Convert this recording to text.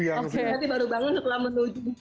nanti baru bangun setelah menuju kore